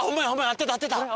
合ってた合ってた！